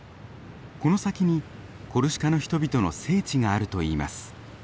この先にコルシカの人々の聖地があるといいます。